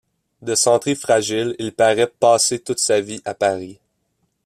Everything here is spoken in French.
De santé fragile, il parait passé toute sa vie à Paris.